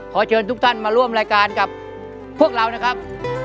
เชิญทุกท่านมาร่วมรายการกับพวกเรานะครับ